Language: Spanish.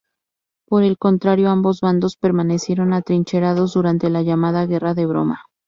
Por el contrario, ambos bandos permanecieron atrincherados durante la llamada Guerra de broma.